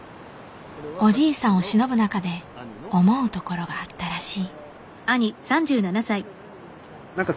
おじいさんをしのぶ中で思うところがあったらしい。